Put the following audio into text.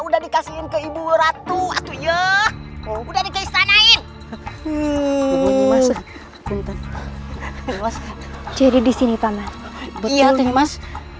udah dikasihin ke ibu ratu itu ya udah dikistanain jadi disini pak betul mas